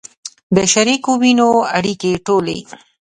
د شریکو وینو اړیکې ټولې